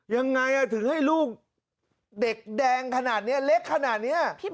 ยังไงถึงให้ลูกเด็กแดงขนาดนี้เล็กขนาดนี้